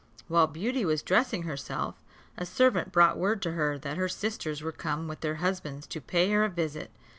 While Beauty was dressing herself, a servant brought word to her that her sisters were come with their husbands to pay her a visit.